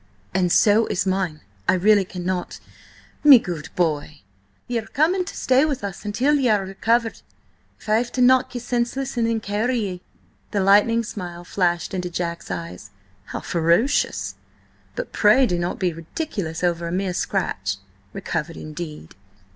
"And so is mine! I really cannot—" "Me good boy, ye are coming to stay with us until ye are recovered, if I have to knock ye senseless and then carry ye!" The lightning smile flashed into Jack's eyes. "How ferocious! But pray do not be ridiculous over a mere scratch. Recovered, indeed!"